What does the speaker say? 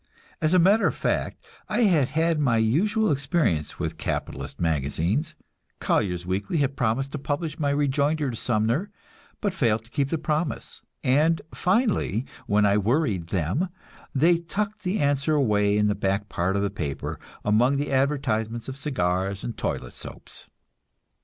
As a matter of fact, I had had my usual experience with capitalist magazines; "Collier's Weekly" had promised to publish my rejoinder to Sumner, but failed to keep the promise, and finally, when I worried them, they tucked the answer away in the back part of the paper, among the advertisements of cigars and toilet soaps.